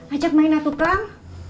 ajak mainan tuh kang